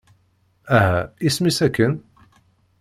Aha, isem-is akken?